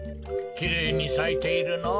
きれいにさいているのぉ。